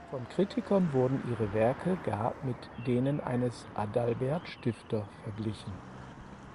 Von Kritikern wurden ihre Werke gar mit denen eines Adalbert Stifter verglichen.